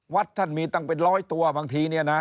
วัดท่านมีตั้งเป็นร้อยตัวบางทีเนี่ยนะ